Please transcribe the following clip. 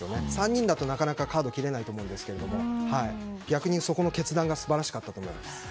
３人だと、なかなかカードを切れないと思うんですけど逆にその決断が素晴らしかったと思います。